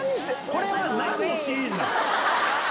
これはなんのシーンなの？